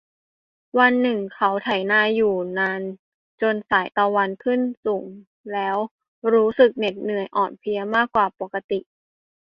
วันหนึ่งเขาไถนาอยู่นานจนสาย ตะวันขึ้นสูงแล้วรู้สึกเหน็ดเหนื่อยอ่อนเพลียมากกว่าปกติ